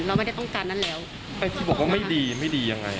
เราไม่ได้ต้องการนั้นแล้วไอ้ที่บอกว่าไม่ดีไม่ดียังไง